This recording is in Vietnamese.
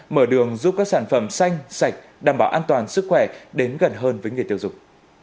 mở đường giúp các sản phẩm xanh sạch đảm bảo an toàn sức khỏe đến gần hơn với người tiêu dùng